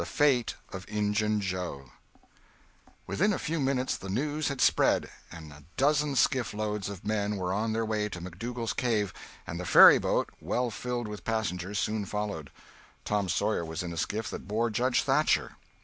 CHAPTER XXXIII WITHIN a few minutes the news had spread, and a dozen skiff loads of men were on their way to McDougal's cave, and the ferryboat, well filled with passengers, soon followed. Tom Sawyer was in the skiff that bore Judge Thatcher.